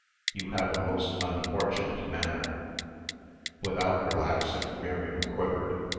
"You have a most unfortunate manner." Without relaxing, Miriam quivered.